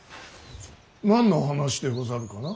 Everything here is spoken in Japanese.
何の話でござるかな。